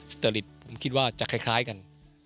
สเตอริตผมคิดว่าจะคล้ายกัน